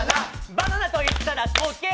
バナナといったら時計。